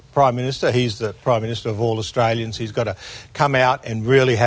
pemerintah dia adalah pemerintah dari semua australia